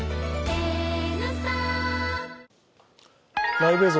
ライブ映像